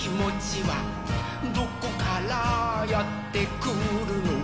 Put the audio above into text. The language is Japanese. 「どこからやってくるの？」